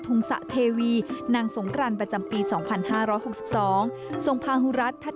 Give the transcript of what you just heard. งสะเทวีนางสงกรานประจำปี๒๕๖๒ส่งพาฮูรัฐทัศ